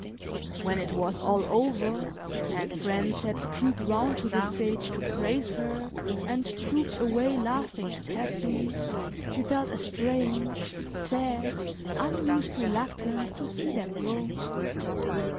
When it was all over, and friends had trooped round to the stage to praise her, and trooped away, laughing and happy, she felt a strange, sad, unused reluctance to see them go.